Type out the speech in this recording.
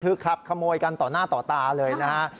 คือขับขโมยกันต่อหน้าต่อตาเลยนะฮะ